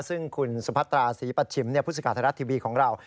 ซึ่งคุณสุพัตราศรีปัชชิมพุศิกาธรรรถทีวีของเรา